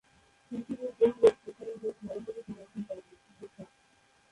পৃথিবীর কোন দেশ নরবলি সমর্থন করে না।